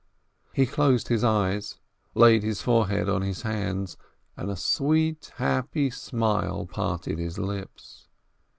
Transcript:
He closed his eyes, laid his forehead on his hands, and a sweet, happy smile parted his lips.